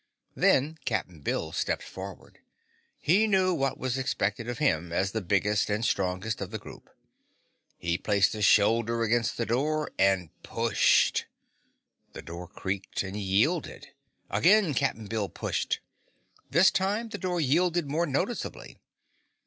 Then Cap'n Bill stepped forward. He knew what was expected of him as the biggest and strongest of the group. He placed a shoulder against the door and pushed. The door creaked and yielded. Again Cap'n Bill pushed. This time the door yielded more noticeably.